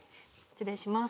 失礼します。